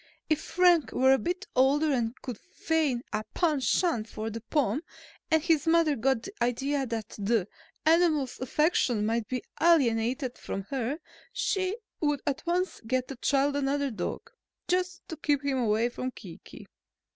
If Frank were a bit older and could feign a penchant for the Pom and his mother got the idea that the animal's affection might be alienated from her, she would at once get the child another dog, just to keep him away from Kiki."